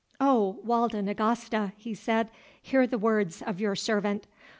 "O Walda Nagasta," he said, "hear the words of your servant.